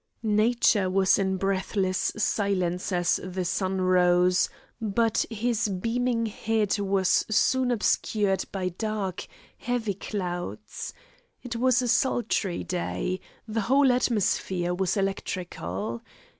Nature was in breathless silence as the sun rose; but his beaming head was soon obscured by dark heavy clouds. It was a sultry day; the whole atmosphere was electrical.